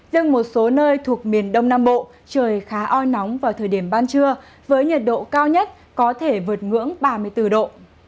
riêng một số nơi thuộc miền đông nam bộ trời khá oi nóng vào thời điểm ban trưa với nhiệt độ cao nhất có thể vượt ngưỡng ba mươi bốn độ